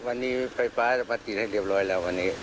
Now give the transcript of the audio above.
วันนี้ไฟฟ้าจะมาติดให้เรียบร้อยแล้ววันนี้